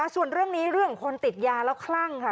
ส่วนเรื่องนี้เรื่องของคนติดยาแล้วคลั่งค่ะ